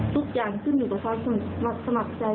ทุกอย่างขึ้นอยู่กับสนับสนับใจ